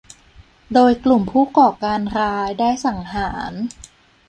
โดยกลุ่มผู้ก่อการร้ายได้สังหาร